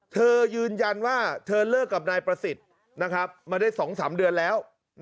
เธอยืนยันว่าเธอเลิกกับนายประสิทธิ์มาได้๒๓เดือนแล้ว